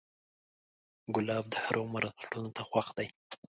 ګلاب د هر عمر زړونو ته خوښ دی.